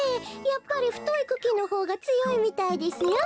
やっぱりふといクキのほうがつよいみたいですよ。